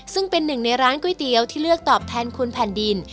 ซึ่งเป็นหนึ่งในร้านก๋วยเตี๋ยวที่เลือกตอบแทนคุณแผ่นดิน